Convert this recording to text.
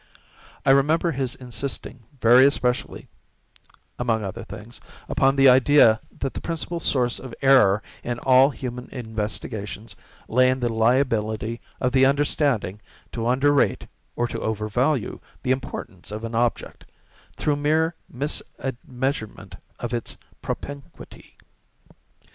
I remember his insisting very especially (among other things) upon the idea that the principle source of error in all human investigations lay in the liability of the understanding to under rate or to over value the importance of an object, through mere misadmeasurement of its propinquity.